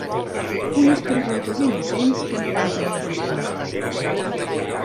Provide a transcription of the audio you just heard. Unes preguntes innocents que no van tenir resposta...